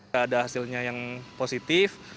gak ada hasilnya yang positif